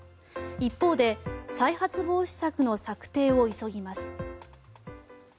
一方で再発防止策の策定を急ぎます。